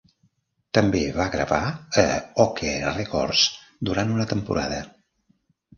També va gravar a Okeh Records durant una temporada.